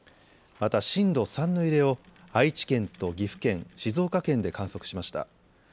また震度３の揺れを愛知県と岐阜県、静岡県で観測しました。